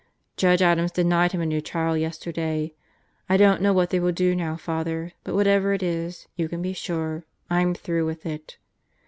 Judge Adams denied him a new trial yesterday. I don't know what they will do now, Father, but whatever it is, you can be sure, I'm through with it.